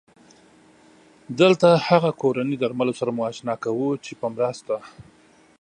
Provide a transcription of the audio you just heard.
دلته هغه کورني درملو سره مو اشنا کوو چې په مرسته